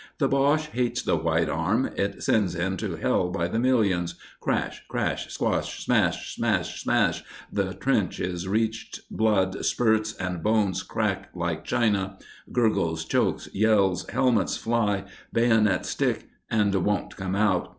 The Boche hates the white arm it sends him to hell by the million! Crash! Crash! Squash! Smash! Smash! Smash! The trench is reached. Blood spurts and bones crack like china. Gurgles! Chokes! Yells! Helmets fly, bayonets stick And won't come out!